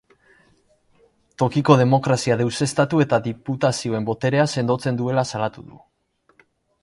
Tokiko demokrazia deuseztatu eta diputazioen boterea sendotzen duela salatu du.